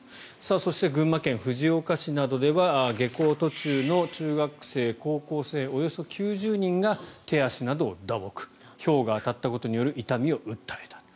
そして、群馬県藤岡市などでは下校途中の中学生、高校生およそ９０人が手足などを打撲ひょうが当たったことによる痛みを訴えたと。